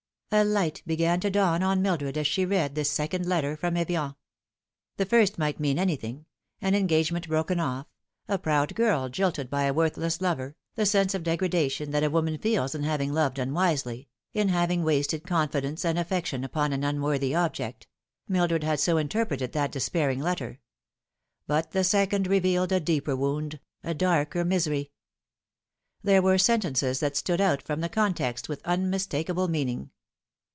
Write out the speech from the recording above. A light began to dawn on Mildred as she road this second letter from Evian. The first might mean anything an engage ment broken off, a proud girl jilted by a worthless lover, the sense of degradation that a woman feels in having loved unwisely in having wasted confidence and affection upon an unworthy object : Mildred had so interpreted that despairing letter. But the second revealed a deeper wound, a darker misery. There were sentences that stood out from the context with unmistakable meaning.